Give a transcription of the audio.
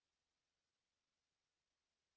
แกอยู่ข้างข้าง